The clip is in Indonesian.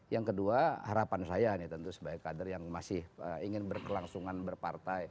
yang kedua harapan saya nih tentu sebagai kader yang masih ingin berkelangsungan berpartai